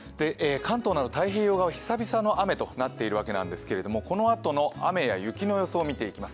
関東など太平洋側は久々の雨となっているわけなんですがこのあとの雨や雪の予想を見ていきます。